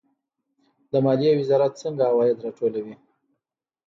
د مالیې وزارت څنګه عواید راټولوي؟